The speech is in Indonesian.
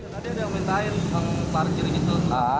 tadi ada yang minta yang parkir gitu